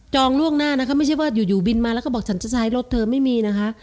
ล่วงหน้านะคะไม่ใช่ว่าอยู่บินมาแล้วก็บอกฉันจะซ้ายรถเธอไม่มีนะคะ